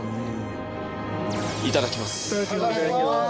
いただきます